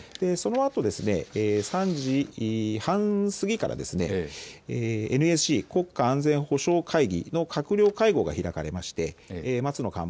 そのあと、３時半過ぎからＮＳＣ・国家安全保障会議の閣僚会合が開かれまして松野